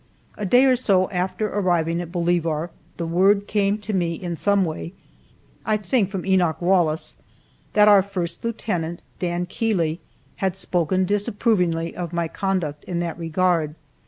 A day or so after arriving at Bolivar the word came to me in some way, I think from Enoch Wallace, that our first lieutenant, Dan Keeley, had spoken disapprovingly of my conduct in that regard.